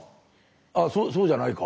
あそうじゃないか。